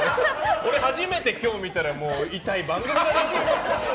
俺、初めて今日見たら痛い番組だなと思うよ。